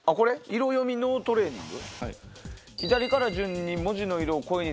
「色読み脳トレーニング」。